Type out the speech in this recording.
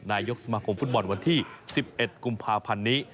นายกสมาคมฟุตบอลวันที่๑๑กุมภาพันธ์นี้